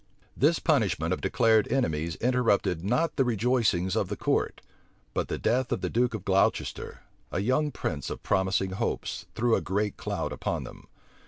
This punishment of declared enemies interrupted not the rejoicings of the court: but the death of the duke of Gloucester, a young prince of promising hopes, threw a great cloud upon them.